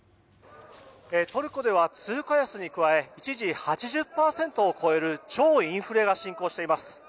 トルコでは通貨安に加え一時８０％を超える超インフレが進行しています。